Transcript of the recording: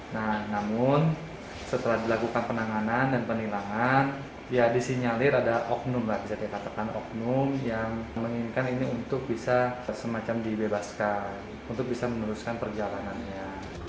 nah namun setelah dilakukan penanganan dan penilangan ya disinyalir ada oknum lah bisa dikatakan oknum yang menginginkan ini untuk bisa semacam dibebaskan untuk bisa meneruskan perjalanannya